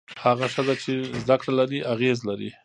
هغه ښځه چې زده کړه لري، اغېز لري.